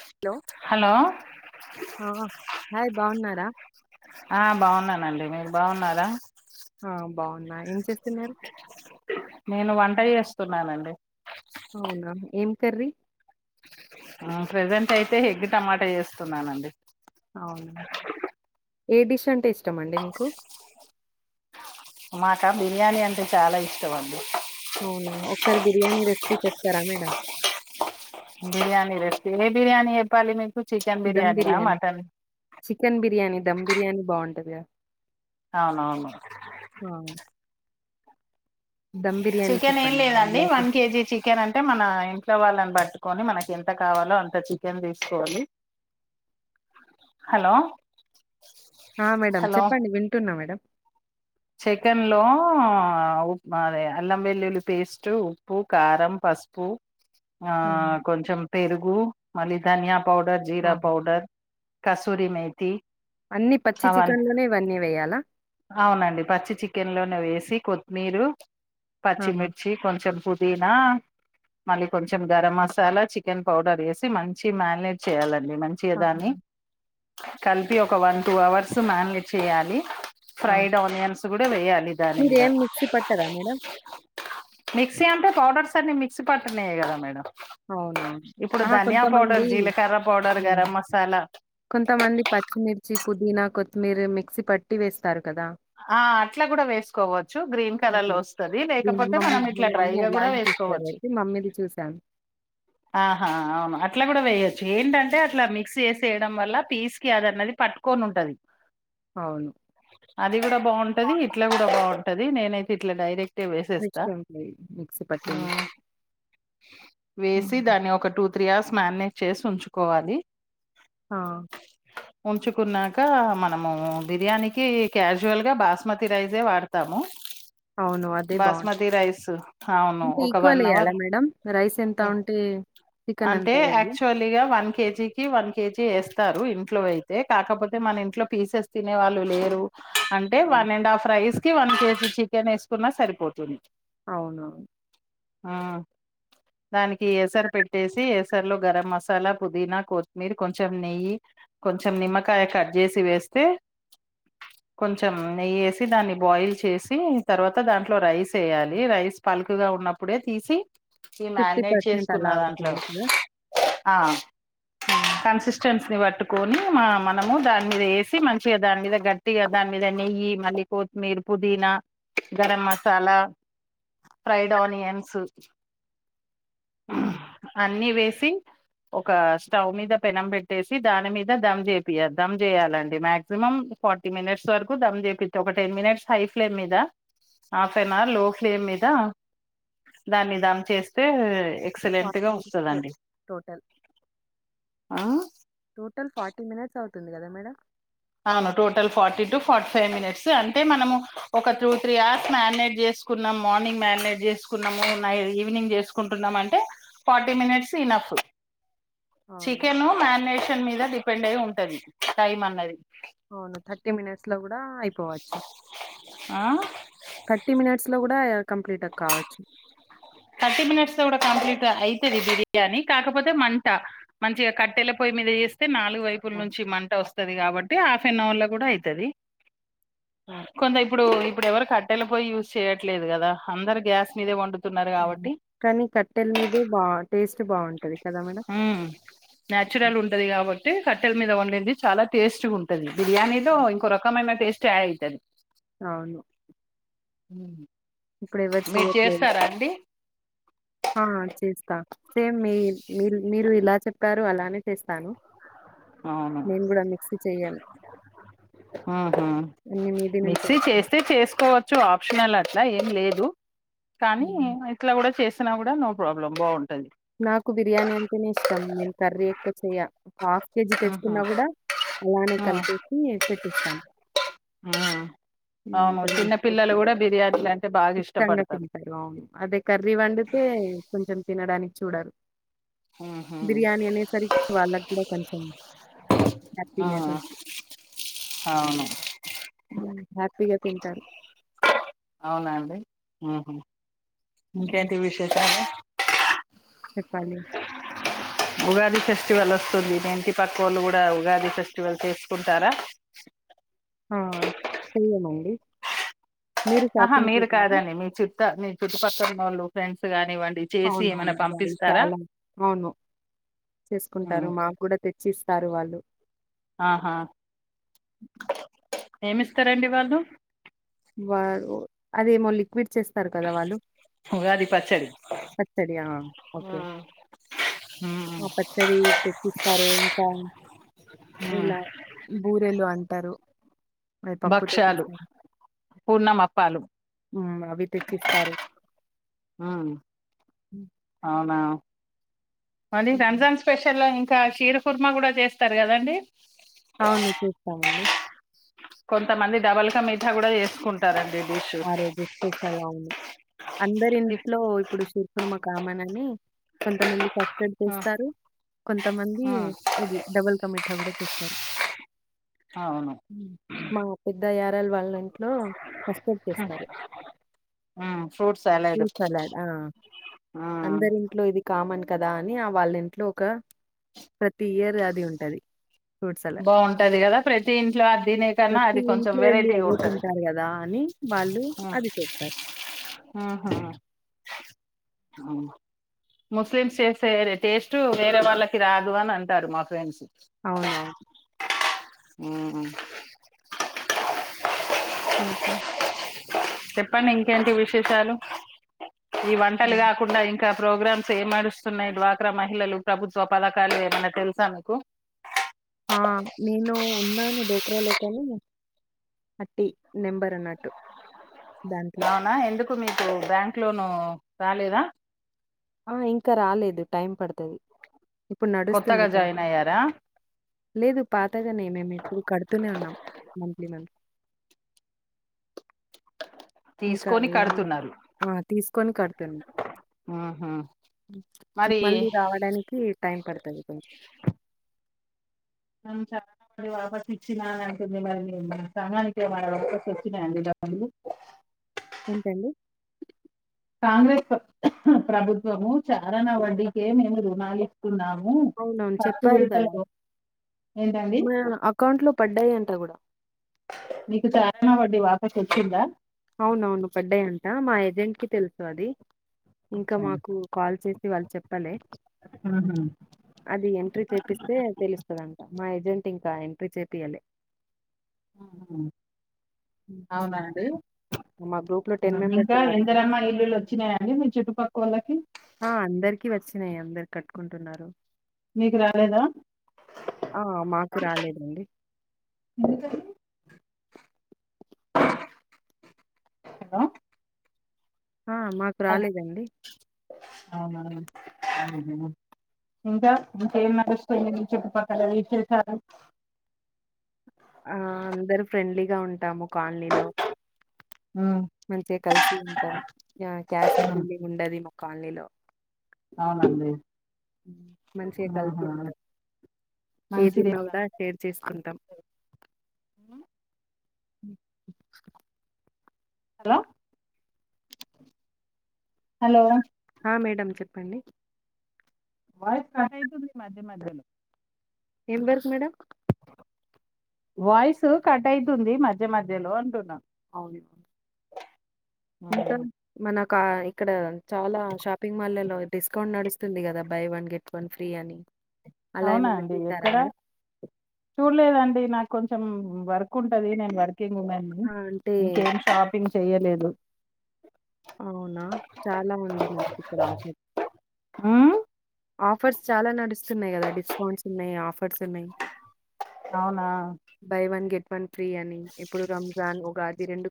Hello hello బాగున్నారా బా ఆ బాగున్నానండి మీరు బాగున్నారా ఆ బాగున్నా ఏం చేస్తున్నారు నేను వంట చేస్తున్నానండి అవునా ఏం కర్రీ ఆ ప్రజెంట్ అయితే ఎగ్ టమాటా చేస్తున్నానండి అవునా ఏ డిష్ అంటే ఇష్టం అండి మీకు మాక బిర్యానీ అంటే చాలా ఇష్టం అండి అవును ఒకసారి బిర్యానీ రెసిపి చెప్ స్తరా మేడం బిర్యానీ రెసిపి ఏ బిర్యానీ ఏప్పాలి మీకు చికెన్ దమ్ బిర్యానీయా బిర్యానీ మటన్ చికెన్ బిర్యానీ ధమ్ బిర్యానీ బాగుంటదిగా అవునవును ఆ దమ్ బిర్యానీ చికెన్ ఏం చెప్పండి మేడం లేదండి ఎలా చే వన్ కేజీ చికెన్ అంటే మన ఇంట్లో వాళ్ళని బట్టు కొని మనకి ఎంత కావాలో అంత చికెన్ తీసుకోవాలి హలో ఆ మేడం హలో చెప్పండి వింటున్నా మేడం చికెన్ లో ఉ అది అల్లం వెల్లుల్లి పేస్ట్ ఉప్పు కారం పసుపు ఆ కొంచెం పెరుగు మలిధాన్యా పౌడర్ ఆ. జీరా పౌడర్ కసూరి మే అన్ని పచ్చి చికెన్లోనే ఇవన్నీ వేయాలా అవునండి పచ్చి చికెన్ లోనే వేసి కొత్తిమీరు ఆ పచ్చిమిర్చి కొంచెం పుదీనా మళ్ళీ కొంచెం గరం మసాలా చికెన్ పౌడర్ వేసి మంచి మ్యారినేట్ చేయాల ని మంచిగా ఆ దాన్ని కలిపి ఒక వన్ టూ అవర్స్ మ్యారినేట్ చేయాలి ఆ. ఫ్రైడ్ ఓనియన్స్ గుడా వెయ్యాలి ఏ మీరు దానిమీద ఏం మిక్సీ పట్టరా మేడం మిక్సి అంటే పౌడర్స్ తన్ని మిక్సీ పటర్నేయ కదా మేడం అవునవును ఇప్పుడు హ హా ధనియా పౌడర్ కొంతమంది జీలకర్ర పౌడర్ గరం మసాలా [inaudible] కొంతమంది పచ్చిమిర్చి పుదీనా కొత్తిమీర మిక్సీ పట్టి వేస్తారు కదా! ఆ అట్లా కూడా వేసుకోవచ్చు గ్రీన్ కలర్ ఓకే. లో వస్తది దీన్ని లేకపోతే మమ్ మనం మా ఇట్లా మమ్మీ డ్రైగా కూడా అలానే చేస్తది వేసుకోవచ్చు అయితే మమ్మీది చూసాను. ఆహా అవును అట్లా కూడా వేయొచ్చు ఏంటంటే అట్లా మిక్స్ ఏసేయడం వల్ల పీస్ కి అదన్నది పట్టుకొని ఉంటది అవును. అది కూడా బాగుంటది ఇట్లా కూడా బాగుం టది నేనైతే ఇట్లా డైరెక్ట్ వేసేస్తా మిక్స్ పట్టింది ఉమ్, మ్మ్ దని ఒక టూ త్రీ అవర్స్ మ్యారనేట్ చేసి ఉంచుకోవాలి ఆ ఉంచుకున్నాక మనము బిర్యానీకి క్యాజువల్ గా బాస్మతి రైస్ ఏ వాడతాము అవును అదే బాగుంటంది బాస్మతి రైస్ అవును ఇకా ఒక ఈక్వల్ వన్ వెయ్యాలా అవర్ మేడం రైస్ ఎంత ఉంటే చికెన్ అంత అంటే వేయాలా? యాక్చువల్గా వన్ కే జీ కి వన్ కే జీ వేస్త ఎత్తారు ఇంట్లో వి అయితే కాకపోతే మన ఇంట్లో పీసెస్ తినే వాళ్ళు లేరు అంటే అవును. వన్ అండ్ హాఫ్ రైస్ కి వన్ కే జీ చికెన్ వేసుకున్నా సరిపోతుంది అవునవును ఆ దానికి ఎస్ ఏసరు పెట్టేసి ఏసరులో గరం మసాలా పుదీనా కొత్తిమీర కొంచెం నెయ్యి కొంచెం నిమ్మకాయ కట్ చేసి వేస్తే కొంచెం నెయ్యేసి దాన్ని బాయిల్ చేసి తర్వాత దాంట్లో రైస్ వేయాలి రైస్ పలుకుగా ఉన్నప్పుడే తీసి ఇ మ్యానేట్ చేస్ పలావ్ ఉడికి ఉడికిన ఆ కన్సిస్టెస్సి [unintelligible] పట్టుకొని మన మనము దాని మీద వేసి మంచిగా దానిద గట్టిగా దాని మీద నెయ్యి మళ్ళీ కొతిమీర పుదీనా గరం మసాలా ఫ్రైడ్ ఆనియన్స్ హ్మ్ అన్ని వేసి ఒక స్టవ్ మీద పెనం పెట్టేసి దాని మీద దమ్ చేపియాలి దమ్ చేయాలండి మ్యాక్సిమం ఫార్టీ మినిట్స్ వరకు దమ్ చేపి ఒక టెన్ మినిట్స్ హై ఫ్లేమ్ మీద హాఫ్ అన్ అవర్ లో ఫ్లేమ్ మీద దాన్ని దమ్ చేస్తే ఎక్సలెంట్ గా [unintelligible] వస్తుందండి టోటల్ ఆ టోటల్ ఫార్టీ మినిట్స్ అవుతుంది కదా మేడం అవును total forty to forty five minutes అంటే మనము ఒక టూ త్రీ అవర్స్ మ్యారినేట్ చేసుకున్నాం మార్నింగ్ మ్యారినేట్ చేసుకున్నాము నైట్ ఈవినింగ్ చేసుకుంటున్నాము అంటే ఫార్టీ మినిట్స్ ఇనఫ్ అవును. చికెను మ్యానేట్ కెన్ మీద డిపెండ్ అయి ఉంటది టైమ్ అన్నది అవును థర్టీ మినిట్స్ లో కూడా డా అయిపోవచ్చు ఆ థర్టీ మనిట్స్ లో కూడా థర్టీ మినిట్స్ లో కూడా కంప్లీట్ గ అయితది బిర్యాని కాకపోతే మంట మంచిగా కట్టెలా పోయి మీదస్త అయితే నాలుగు వైపుల నుంచి మంట వస్తు స్తది కాబట్టి హాఫ్ అన్ అవర్ లో కూడా అయితది అబ్బా! కొంత ఇప్పుడు ఇప్పుడు ఎవరు కట్టెల పోయి యూజ్ చేయట్లేదు కదా అందర్ గ్యాస్ మీదే వండు కానీ కట్టెల మీద బా టేస్ట్ బావుంటది కదా మేడం? మ్మ్ హుహు. న్యాచురల్ ఉంటది కాబట్టి కట్టెల మీద వండింది చాలా టేస్ట్ గా ఉంటది బిర్యానీ లో ఇంకో రకమైన టేస్ట్ యాడ్ అయితది అవును హు ఇప్పుడెవరు మీరు చేయట్లేదు. చేస్తారా అండి ఆ చేస్తా సేమ్ మీ మీ మీరు ఇలా చెప్పారో అలానే చేస్తాను అవును నేను గూడా మిక్సీ చెయ్యను. ఆహు అన్ని మీది నుంచే మిక్సీ తెచ్చుకుంటా. చేస్తే చేసుకోవచ్చు ఆప్షనల్ అది అలా ఏం లేదు కానీ హ్మ్. ఇట్లా కూడా చేస్ కూడా నో ప్రాబ్లం బాగుంటుంది నాకు బిర్యానీ అంటేనే ఇష్టం నేను కర్రీ ఎక్కువ చెయ్య హాఫ్ కేజీ ఆహా తెచ్చుకున్నా కూడా అలానే ఆ కలిపెట్టి పెట్టేస్తాను ఆ అవును చిన్న పిల్లలు కూడా బిర్యానీలు అంటే బాగా ఇష్టంగా ఇష్టపడతారు తింటారు అవును అదే కర్రీ వండితే కొంచెం తినడానికి చూడరు ఉహు బిర్యానీ అనేసరికి వాళ్ళట్లో కొంచెం ఆ హ్యాపీనెస్ ఉంటుంది అవును హ్యాపీగా తింటారు అవునా అండి ఉహు హ్మ్. ఇంకేంటి విశేషాలు చెప్పాలి ఉగాది ఫెస్టివల్ వస్తుంది మీ ఇంటి పక్కుఓళ్ళు కూడా ఉగాది ఫెస్టివల్ చేసుకుంటారా ఆ చేయమండి ఆహా మీరు కాదండి మీ చుట్ట మీ చుట్టుపక్కల వాళ్ళు ఫ్రెండ్స్ గాని అవునవును వా చాలా హు అవును చేసుకుంటారు ఉమ్ మాకు కూడా తెచ్చిస్త తారు వాళ్ళు ఆహా ఏమిస్తారండి వాళ్ళు వారు అదే మొల్లి విడ్చేస్తారు కదా వాళ్ళు ఉగాది పచ్చడి పచ్చడి ఆ ఓకే ఆ ఉమ్ పచ్చడి తెచ్చిస్తారు ఇంకా ఉమ్ ఇలా బూరెలు అంటారు మరి పప్పుతో భక్ష్యాలు చేస్తా పూర్ణమప్పాలు హు అవి తెచ్చిస్తారు హ హ్మ్. అవునా మరి హ్మ్. రంజాన్ స్పెషల్ లో ఏం ఇంకా శీర కుర్మ కూడా చేస్తారు కదండి అవును. చేస్తామండి. కొంతమంది డబల్ కా మీఠా కూడా చేసుకుంటారండి డిష్ ఆ రోజు స్పెషల్ అవును అందరి ఇంట్లో ఇప్పుడు షిర్ కూర్మ కామనని కొంతమంది సప్రెడ్ చేస్తారు కొంతమంది ఆ ఆ ఇది డబుల్ కా మీఠా కూడ ఇస్తర్ అవును మా పెద్దయ్య డల్ వల్ ఇంట్లో ఆ చేస్తారు మ్మ్ ఫ్రూట్ సలాడ్ ఫ్రూట్ సలాడ్ ఆ ఆ అందరి ఇంట్లో ఇది కామ మన్ కదా అని ఆ వాళ్ళ ఇంట్లో ఒక ప్రతి ఇయర్ అది ఉంటది ఫ్రూట్ సలాడ్. బాగుంటది కదా ప్రతి ఇంట్లో అది తినే కన్నా ప్రతి అది కొంచెం ఇంట్లో ఎళ్లి వెరైటీ అదే ఉంటది తింటారు గదా! అని వాళ్ళు అది చెస్తారు ఆహా హ్మ్ ముస్లిమ్స్ చేసే టేస్ట్ వేరే వాళ్ళకి రాదు అని అంటారు మా ఫ్రెండ్స్ అవునా ఉం ఉహు చెప్పండి ఇంకేంటి విశేషాలు ఈ వంటలు హ్మ్. కాకుండా ఇంకా ఇంకా ప్రోగ్రామ్స్ ఏంనడుస్తున్నాయి డ్వాక్రా మహిళలు ప్రభుత్వ పథకాలు ఏమన్న తెలుసా మీకు ఆ నేను ఉన్నాను డోక్రాలో కానీ అట్టి నెంబర్ అన్నట్టు దాంట్లో. అవునా ఎందుకు మీ ఇప్పుడూ బ్యాంక్ లోను రాలేదా ఆ ఇంకా రాలేదు టైం పడుత తది ఇప్పుడు కొత్తగా నడుస్తుంది జాయిన్ కంటి అయ్యారా లేదు పాతగానే మేము ఎప్పుడు కడుతూనే ఉన్నాం మంత్లీ మంత్లీ ఇంకా తీసుకొని కడుతున్నారు ఆ తీసుకొని కడుతుంది మ్మ్ హ్మ్ మరి మళ్ళీ రావడానికి టైమ్ పడుతది కొంచెం చాలా వాపస్ ఇచ్చినా అని అంటకుంది మరి ప్రమానికపస్ వచ్చినాయండి డబ్బులు ఎంటండి కాంగ్రెస్ ప్రభుత్వము చారన వడ్డీకే మేము రుణాలి ఉన్నాము అవునవును. చెప్పారు కదా! ఏంటండి మా అకౌంట్‌లో పడ్డాయంట గూడా. మీకు చారానా వడ్డీ ది వాపస్ వచ్చిందా అవునవును పడ్డయంట మా ఏజెంట్ కి తెలుసు అది ఇంకా మాకు కాల్ చేసి వాళ్ళు చెప్పాలి అది ఎంట్రీ చేపిస్తే తెలుస్తుందంట మా ఏజెంట్ ఇంకా ఎంట్రీ చేపియ్యాలే హుహ్మ్ అవునా అండి మా గ్రూప్‌లో మెంబర్స్ ఇంకా ఉన్నారండి. ఇందరమ్మ ఇల్లులు వచ్చినాయ అండి మీ చుట్టుపక్కవా లకి ఆ అందరికి వచ్చినాయి అందరు కట్టుకుంటున్నారు మీకు రాలేద ఆ! మాకు రాలేదండి. ఎందుకని హలో ఆ మాకు రాలేదండి అవునా అవునా ఇంకా ఇంకేం నడుస్తుంది మీ చుట్టుపక్కల విశేషాలు ఆ అందరు ఫ్రెండ్లీగా ఉంటాము కాలనీలో విశేషాలు మంచిగా కలిసి ఉంటాం కాస్ట్ ఫీల్ంగ్ ఉండది మా కాలనీలో అవునండి మంచిగా కలిసి ఆహా ఉంటాం మంచిది ఏదున్నా అలా కూడా షేర్ చేసుకుంటాం హలో హలో ఆ మేడం చెప్పండి వాయిస్ కట్ అయితుంది మాధ్య మాధ్యలో ఏం బర్దు మేడం వాయిస్ కట్ అయితుంది మధ్య మధ్యలో అంటున్నా అవునువును ఇంకా ఉమ్. మన కా ఇక్కడ చాలా షాపింగ్ మాళ్లో డిస్కౌంట్ నడుస్తు తుంది కదా buy one get one free అని అలా అవునా ఏమన్నా అండి చూసారా ఎక్కడా మేడం? చూడలేదండి నాకు కొంచెం వర్క్ ఉంటది నేను వర్క్ చేస్తున్నాను ఆ! అంటే ఇంకేం షాపింగ్ చేయలేదు అవునా చాలా ఉంది మనకి ఇక్కడ ఆ ఆఫర్స్ చాలా నడుస్తున్నాయి కదా డిస్కౌంట్స్ ఉన్నాయి ఆఫర్స్ ఉన్నాయి అవునా వన్ ఫ్రీ అని ఇప్పుడు రంజాన్ ఉగాది ఈ రెండు